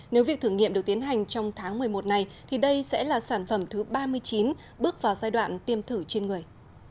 nếu việc thử nghiệm được tiến hành trong tháng một mươi một này thì đây sẽ là sản phẩm thứ ba mươi chín bước vào giai đoạn tiêm thử trên người